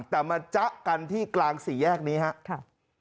แต่มาจ๊ะกันที่กลางสี่แยกนี้ครับ